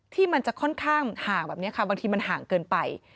ที่มันจะค่อนข้างห่างแบบนี้ค่ะบางทีมันห่างเกินไป